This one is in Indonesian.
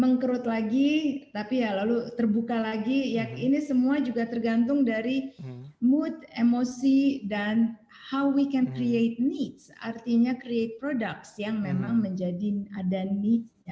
mengkerut lagi tapi ya lalu terbuka lagi ya ini semua juga tergantung dari mood emosi dan how we cant create needs artinya create products yang memang menjadi ada need